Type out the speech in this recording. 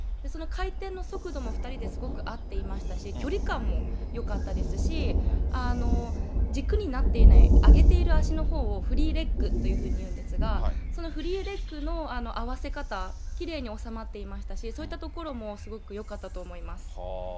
その回転の速度も２人ですごく合ってましたし、距離感もよかったですし、軸になっていない上げている足のほうをフリーレッグというふうにいうんですが、そのフリーレッグの合わせ方、きれいに収まっていましたし、そういったところもすごくよかったと思います。